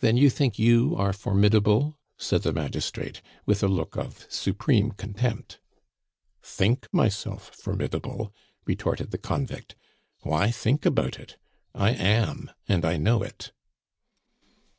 "Then you think you are formidable?" said the magistrate, with a look of supreme contempt. "Think myself formidable?" retorted the convict. "Why think about it? I am, and I know it."